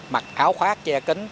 mặc áo khoác che kính